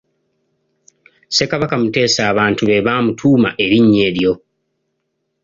Ssekabaka Muteesa abantu be baamutuuma erinnya eryo.